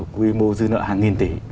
quy mô dư nợ hàng nghìn tỷ